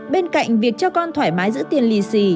bên cạnh việc cho con thoải mái giữ tiền lì xì